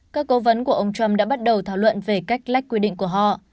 các cố vấn của ông trump đã bắt đầu thảo luận về cách lách quy định của họ